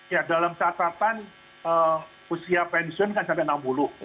ya dalam catatan usia pensiun kan sampai enam puluh